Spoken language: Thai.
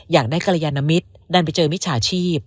อยากได้กรยานมิตรดันไปเจอมิจฉาชีพ